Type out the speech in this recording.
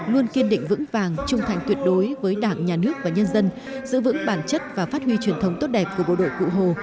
luôn kiên định vững vàng trung thành tuyệt đối với đảng nhà nước và nhân dân giữ vững bản chất và phát huy truyền thống tốt đẹp của bộ đội cụ hồ